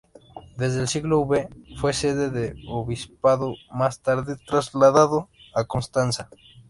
Desde el siglo V fue sede de un obispado más tarde trasladado a Constanza.